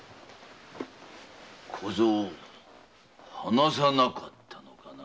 小僧話さなかったのかな。